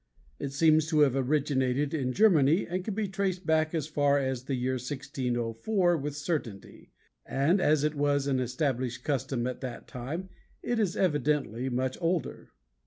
It seems to have originated in Germany and can be traced back as far as the year 1604 with certainty, and as it was an established custom at that time it is evidently much older.